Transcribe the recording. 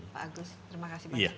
pak agus terima kasih banyak